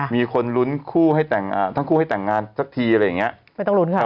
มีคนลุ้นทั้งคู่ให้แต่งงานสักทีอะไรอย่างนี้